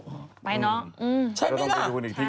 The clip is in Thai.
ใช่มั้ยครับใช่แล้วไม่หมดไปก็เราจะไปดูกันอีกที